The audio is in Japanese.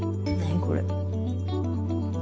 これ。